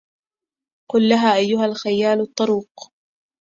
قل لها أيها الخيال الطروق